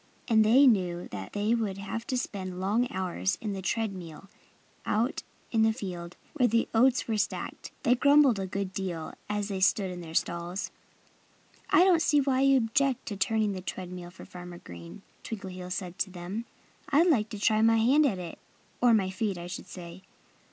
And they knew that they would have to spend long hours in the tread mill out in the field, where the oats were stacked. They grumbled a good deal, as they stood in their stalls. "I don't see why you object to turning the tread mill for Farmer Green," Twinkleheels said to them. "I'd like to try my hand at it or my feet, I should say.